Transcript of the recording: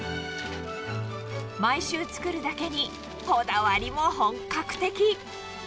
毎週作るだけに、こだわりも本格的。